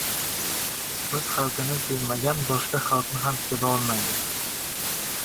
• O‘z xalqini sevmagan boshqa xalqni ham sevolmaydi.